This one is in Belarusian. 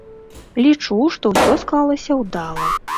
Лічу, што ўсё склалася ўдала.